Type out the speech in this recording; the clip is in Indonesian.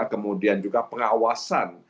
kemudian juga pengawasan